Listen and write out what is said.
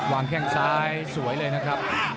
วางแค่งซ้ายสวยเลยนะครับ